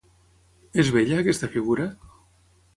És bella, aquesta figura?